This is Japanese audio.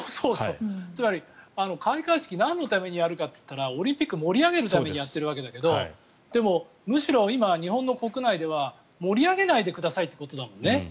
つまり、開会式なんのためにやるかというとオリンピックを盛り上げるためにやっているわけだけどでも、むしろ今日本の国内では盛り上げないでくださいということだもんね。